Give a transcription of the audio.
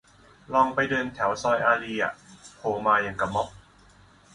ลองไปเดินแถวซอยอารีย์อะ โผล่มาอย่างกะม็อบ